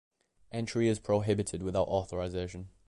Entry is prohibited without authorization.